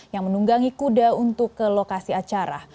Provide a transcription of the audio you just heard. yang menunggangi kuda untuk ke lokasi acara